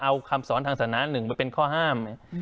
เอาคำสอนทางศาสนาหนึ่งไปเป็นข้อห้าม